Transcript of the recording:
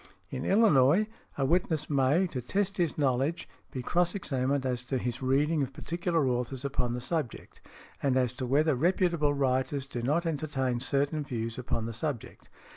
In Illinois, a witness may, to test his knowledge, be cross examined as to his reading of particular authors upon the subject, and as to whether reputable writers do not entertain certain views upon the subject.